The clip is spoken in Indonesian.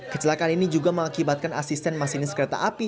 kecelakaan ini juga mengakibatkan asisten masinis kereta api